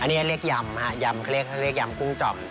อันนี้เรียกยำฮะยำเขาเรียกยำกุ้งจ่อม